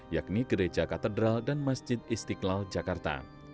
yakni gereja katedral dan masjid istiqlal jakarta